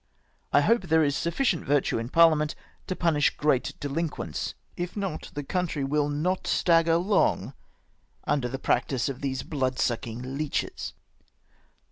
" I hope there is sufficient virtue in Parliament to punish great delinquents, if not the country will not stagger long under the practice of these blood sucking leeches.''